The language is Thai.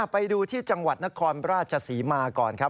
ไปดูที่จังหวัดนครราชศรีมาก่อนครับ